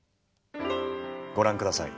ご覧ください。